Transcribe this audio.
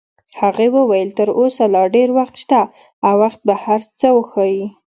هغې وویل: تر اوسه لا ډېر وخت شته او وخت به هر څه وښایي.